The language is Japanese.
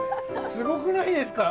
すごくないですか？